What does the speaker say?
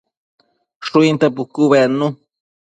Shuinte pucu bednu